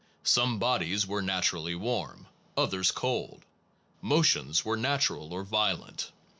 Some bodies were naturally warm, others cold. Motions were natural or violent.